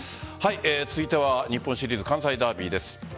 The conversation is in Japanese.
続いては日本シリーズ関西ダービーです。